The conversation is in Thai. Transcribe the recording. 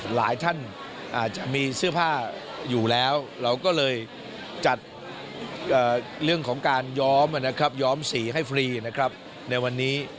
หลายท่านอาจจะมีเสื้อผ้าอยู่แล้วเราก็เลยจัดเรื่องของการย้อมนะครับย้อมสีให้ฟรีนะครับในวันนี้